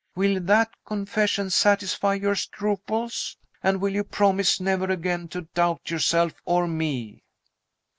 Will that confession satisfy your scruples? And will you promise never again to doubt yourself or me?"